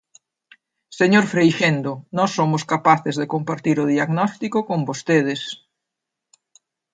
Señor Freixendo, nós somos capaces de compartir o diagnóstico con vostedes.